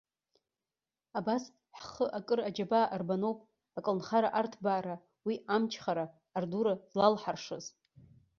Абас ҳхы акыр аџьабаа арбаноуп аколнхара арҭбаара, уи амчхара ардура злалҳаршаз.